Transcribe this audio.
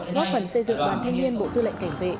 góp phần xây dựng đoàn thanh niên bộ tư lệnh cảnh vệ